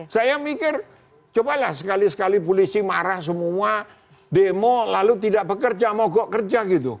saya mikir cobalah sekali sekali polisi marah semua demo lalu tidak bekerja mogok kerja gitu